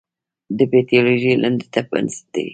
د پیتالوژي علم د طب بنسټ دی.